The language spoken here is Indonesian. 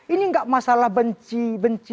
ini enggak masalah benci benci